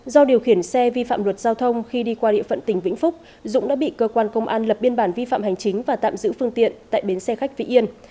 do điều khiển xe vi phạm luật giao thông khi đi qua địa phận tỉnh vĩnh phúc dũng đã bị cơ quan công an lập biên bản vi phạm hành chính và tạm giữ phương tiện tại bến xe khách vị yên